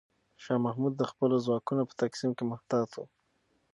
شاه محمود د خپلو ځواکونو په تقسیم کې محتاط و.